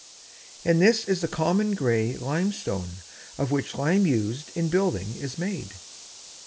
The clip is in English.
And this is the common gray limestone of which lime used in building is made.